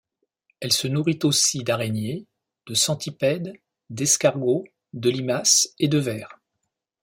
Elle se nourrit aussi d'araignées, de centipèdes, d'escargots, de limaces et de vers.